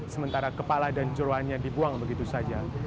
sementara kepala dan jeruannya dibuang begitu saja